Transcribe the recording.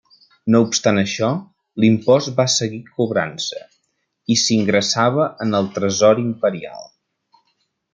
No obstant això, l'impost va seguir cobrant-se i s'ingressava en el tresor imperial.